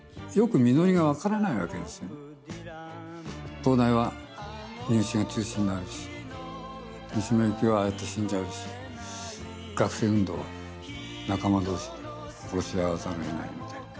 東大は入試が中止になるし三島由紀夫はああやって死んじゃうし学生運動は仲間同士で殺し合わざるをえないみたいな。